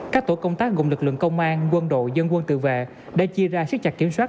các tổ công tác gồm lực lượng công an quân đội dân quân tự vệ đã chia ra xếp chặt kiểm soát